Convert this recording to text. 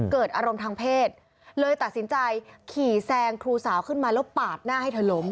เกิดอารมณ์ทางเพศเลยตัดสินใจขี่แซงครูสาวขึ้นมาแล้วปาดหน้าให้เธอล้ม